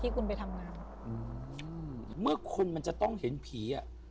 คุณไปทำงานอืมเมื่อคนมันจะต้องเห็นผีอ่ะ